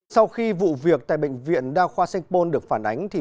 sau khi vụ việc tại bệnh viện đa khoa sanh pôn được phản ánh